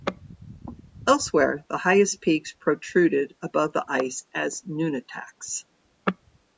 Elsewhere the highest peaks protruded above the ice as nunataks.